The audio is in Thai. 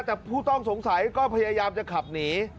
แต่ผู้ต้องสงสัยก็พยายามจะขับหนี